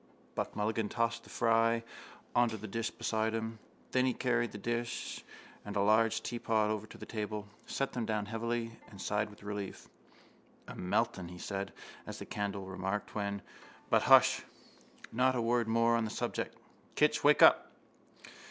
Buck Mulligan tossed the fry on to the dish beside him. Then he carried the dish and a large teapot over to the table, set them down heavily and sighed with relief. —I'm melting, he said, as the candle remarked when... But, hush! Not a word more on that subject! Kinch, wake up!